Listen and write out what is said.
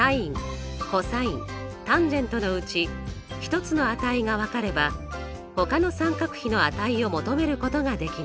ｓｉｎｃｏｓｔａｎのうち１つの値が分かればほかの三角比の値を求めることができます。